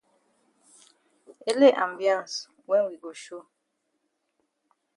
Ele ambiance wen we go show.